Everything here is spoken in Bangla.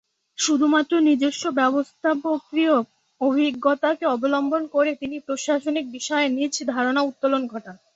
শুধুমাত্র নিজস্ব ব্যবস্থাপকীয় অভিজ্ঞতাকে অবলম্বন করে তিনি প্রশাসনিক বিষয়ে নিজ ধারণার উত্তরণ ঘটান।